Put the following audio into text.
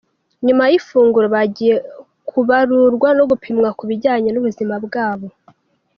Nyuma yifunguro bagiye kubarurwa no gupimwa ku bijyanye n’ubuzima bwabo.